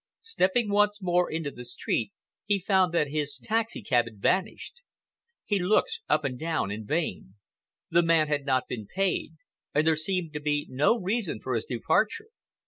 Stepping once more into the street, he found that his taxicab had vanished. He looked up and down in vain. The man had not been paid and there seemed to be no reason for his departure.